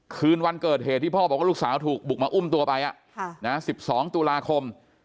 คืนวันเกิดเหตุที่พ่อบอกว่าลูกสาวถูกบุกมาอุ้มตัวไป๑๒ตุลาคม